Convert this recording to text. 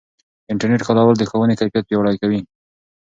د انټرنیټ کارول د ښوونې کیفیت پیاوړی کوي.